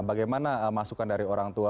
bagaimana masukan dari orang tua